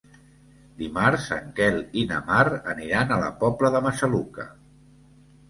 Dimarts en Quel i na Mar aniran a la Pobla de Massaluca.